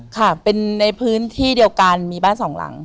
ค่ะเป็นในพื้นที่เดียวกันมีบ้านสองหลัง